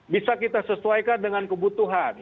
bisa kita sesuaikan dengan kebutuhan